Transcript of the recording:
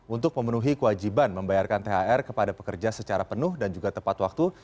untuk memenuhi kewajiban membayarkan thr kepada pekerja secara penuh dan juga tepat waktu